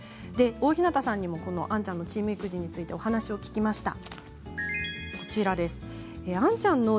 大日向さんにも杏ちゃんのチーム育児についてお話を聞きました。